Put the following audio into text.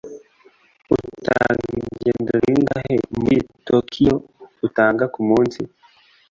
Utanga ingendo zingahe muri Tokiyo utanga kumunsi?